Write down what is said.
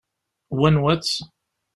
N wanwa-tt?